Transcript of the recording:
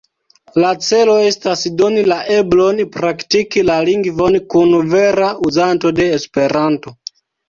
La celo estas doni la eblon praktiki la lingvon kun vera uzanto de Esperanto.